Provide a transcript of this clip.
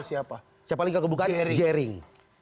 siapa lagi gak kebukaan jering